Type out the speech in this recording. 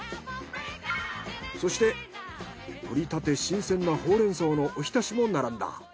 そして採りたて新鮮なホウレンソウのおひたしも並んだ。